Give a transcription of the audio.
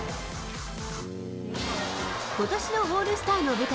ことしのオールスターの舞台